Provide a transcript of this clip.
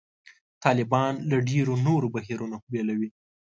طالبان له ډېرو نورو بهیرونو بېلوي.